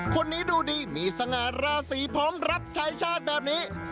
คนนี้ดูดีมีสง่าราศีพร้อมรับใช้ชาติแบบนี้